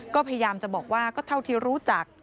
ก็พยายามจะบอกว่าก็เท่าที่รู้จัก